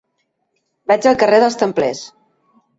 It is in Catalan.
Vaig al carrer dels Templers.